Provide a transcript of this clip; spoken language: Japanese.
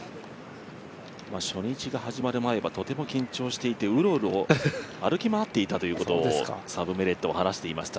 初日が始まる前はとても緊張していてうろうろ歩き回っていたということをサム・ベネットは話していました。